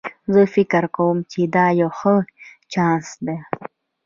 زه فکر کوم چې دا یو ښه چانس ده